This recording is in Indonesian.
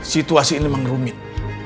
situasi ini memang rumit